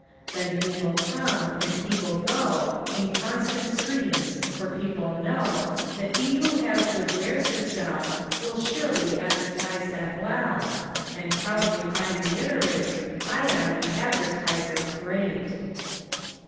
Then people come And people go In constant streams, For people know That he who has good wares to sell Will surely advertise them well; And proudly I reiterate, I am an advertiser great!